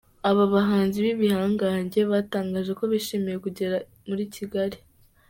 Aba bahanzi b’ibihangange batangaje ko bishimiye kugera muri Kigali.